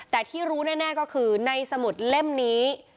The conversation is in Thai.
แต่ที่รู้แน่ก็คือในสมุดเล่มนี้